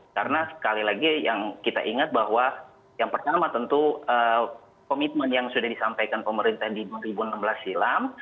karena sekali lagi yang kita ingat bahwa yang pertama tentu komitmen yang sudah disampaikan pemerintah di dua ribu enam belas jilam